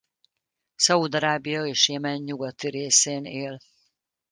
Szaúd-Arábia és Jemen nyugati részén él.